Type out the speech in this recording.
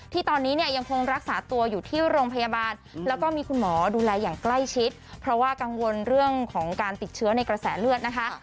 ที่ตอนนี้เนี่ยยังคงรักษาตัวอยู่ที่โรงพยาบาลแล้วก็มีคุณหมอดูแลอย่างใกล้ชิดเพราะว่ากังวลเรื่องของการติดเชื้อในกระแสเลือดนะคะ